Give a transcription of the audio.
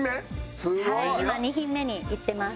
今２品目にいってます。